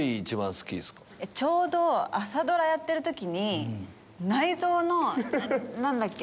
ちょうど朝ドラやってる時に内臓の何だっけ？